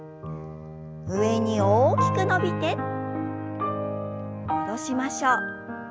上に大きく伸びて戻しましょう。